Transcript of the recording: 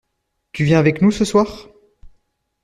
Tu viens avec nous ce soir?